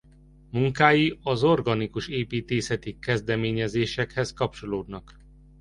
Munkái az organikus építészeti kezdeményezésekhez kapcsolódnak.